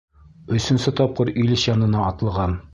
Өсөнсө тапҡыр Ильич янына атлығам.